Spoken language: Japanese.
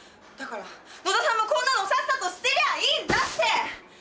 だから野田さんもこんなのさっさと捨てりゃいいんだって！